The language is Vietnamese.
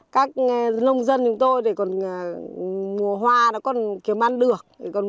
các dân chúng tôi để mua hoa nó còn kiếm ăn được